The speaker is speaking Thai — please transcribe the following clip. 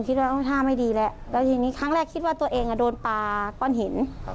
ว่าท่าไม่ดีแล้วแล้วทีนี้ครั้งแรกคิดว่าตัวเองโดนปลาก้อนหิน